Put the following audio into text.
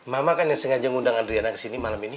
mama kan yang sengaja ngundang adriana kesini malem ini